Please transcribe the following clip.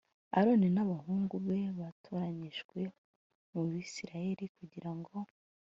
aroni n abahungu be batoranyijwe mu bisirayeli kugira ngo